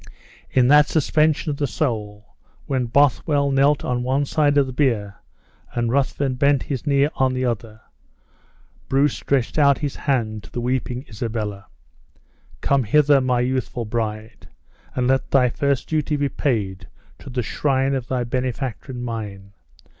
In that suspension of the soul, when Bothwell knelt on one side of the bier and Ruthven bent his knee on the other, Bruce stretched out his hand to the weeping Isabella; "Come hither, my youthful bride, and let thy first duty be paid to the shrine of thy benefactor and mine!